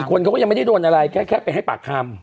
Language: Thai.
๑๔คนก็ไม่ได้โดนอะไรแค่เป็นให้ปากคาม